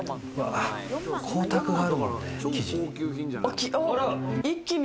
光沢があるもんね、生地に。